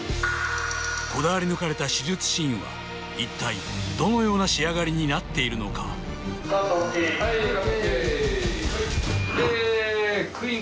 こだわり抜かれた手術シーンは一体どのような仕上がりになっているのかクイーン